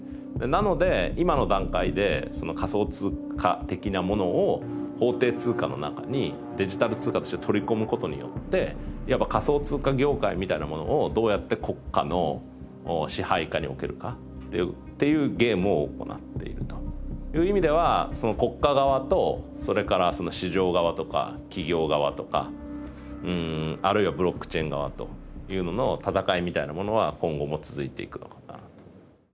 なので今の段階で仮想通貨的なものを法定通貨の中にデジタル通貨として取り込むことによっていわば仮想通貨業界みたいなものをどうやって国家の支配下に置けるかっていうゲームを行っているという意味では国家側とそれから市場側とか企業側とかうんあるいはブロックチェーン側というのの戦いみたいなものは今後も続いていくのかなと。